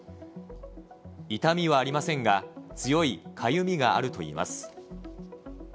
痛みはありませんが、強いかゆみがあるといいます。